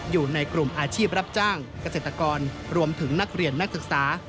อยู่ในกลุ่มอาชีพรับจ้างเกษตรกรรวมถึงนักเรียนนักศึกษา